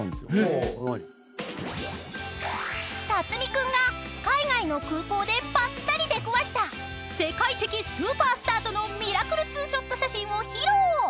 ［辰巳君が海外の空港でばったり出くわした世界的スーパースターとのミラクルツーショット写真を披露！］